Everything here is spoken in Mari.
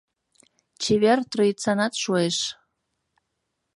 Чевер Троицанат шуэш.